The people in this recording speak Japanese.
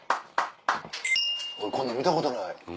こんなん見たことない。